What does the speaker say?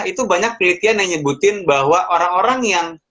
itu banyak penelitian yang nyebutin bahwa orang orang yang